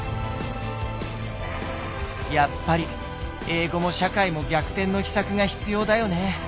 やっぱり英語も社会も逆転の秘策が必要だよね。